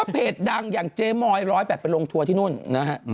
เพจดังอย่างเจ๊มอย๑๐๘ไปลงทัวร์ที่นู่นนะฮะ